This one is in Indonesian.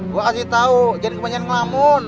gue kasih tau jangan kebanyakan kelamun